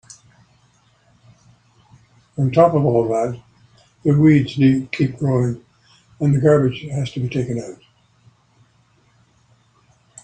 On top of all that, the weeds keep growing and the garbage has to be taken out.